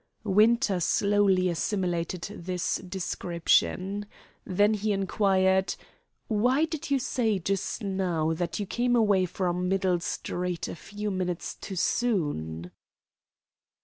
Winter slowly assimilated this description. Then he inquired: "Why did you say just now that you came away from Middle Street a few minutes too soon?"